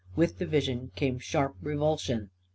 With the vision came sharp revulsion.